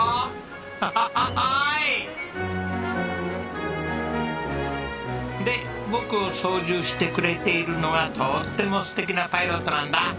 ホホホホイ！で僕を操縦してくれているのはとっても素敵なパイロットなんだ。